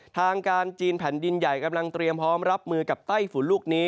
ทางการจีนแผ่นดินใหญ่กำลังเตรียมพร้อมรับมือกับไต้ฝุ่นลูกนี้